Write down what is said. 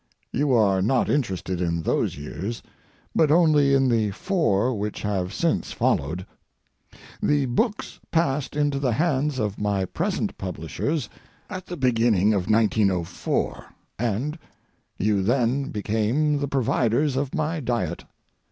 You are not interested in those years, but only in the four which have since followed. The books passed into the hands of my present publishers at the beginning of 1900, and you then became the providers of my diet.